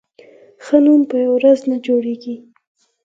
ښه نوم په یوه ورځ نه جوړېږي.